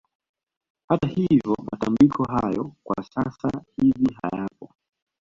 Hata hivyo matambiko hayo kwa sasa hivi hayapo